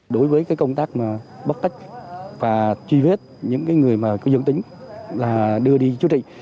đối với công tác bắt cách và truy vết những người dân tính đưa đi chứa trị